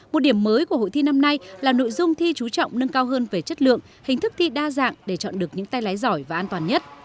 một điểm mới của hội thi năm nay là nội dung thi chú trọng nâng cao hơn về chất lượng hình thức thi đa dạng để chọn được những tay lái giỏi và an toàn nhất